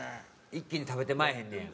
一気に食べてまえへんねや。